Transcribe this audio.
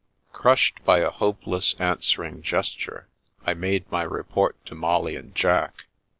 Crushed by a hopeless, answering gesture, I made my report to Molly and Jack.